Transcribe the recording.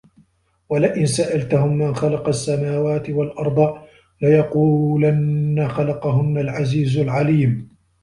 وَلَئِن سَأَلتَهُم مَن خَلَقَ السَّماواتِ وَالأَرضَ لَيَقولُنَّ خَلَقَهُنَّ العَزيزُ العَليمُ